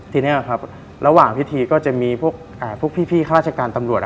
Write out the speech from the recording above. ทีนี้ครับระหว่างพิธีก็จะมีพวกพี่ข้าราชการตำรวจ